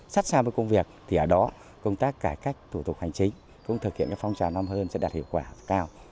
sát sao với công việc thì ở đó công tác cải cách thủ tục hành chính cũng thực hiện phong trào năm hơn sẽ đạt hiệu quả cao